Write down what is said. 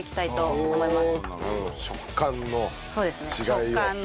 食感の違いを。